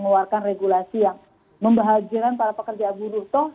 mengeluarkan regulasi yang membahagikan para pekerja buru